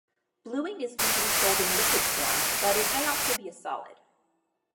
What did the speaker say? Bluing is usually sold in liquid form, but it may also be a solid.